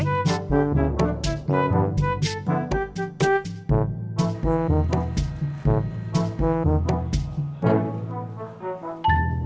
แยะกัน